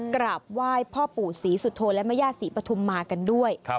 กราบไหว้พ่อปูศรีสุโธและมะญาติศรีปฐุมะกันด้วย